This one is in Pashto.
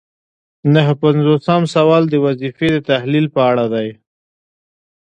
نهه پنځوسم سوال د وظیفې د تحلیل په اړه دی.